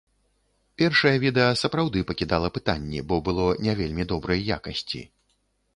Першае відэа сапраўды пакідала пытанні, бо было не вельмі добрай якасці.